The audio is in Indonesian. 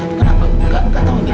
enggak enggak enggak